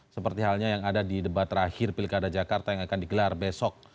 seperti halnya yang ada di debat terakhir pilkada jakarta yang akan digelar besok